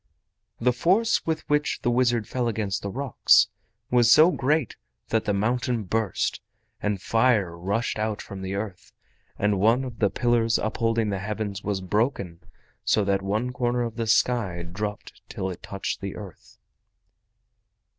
The force with which the wizard fell against the rocks was so great that the mountain burst, and fire rushed out from the earth, and one of the pillars upholding the Heavens was broken so that one corner of the sky dropped till it touched the earth.